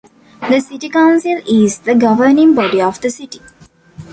The City Council is the governing body of the City.